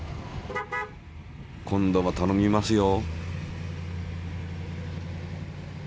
今度はたのみますよ。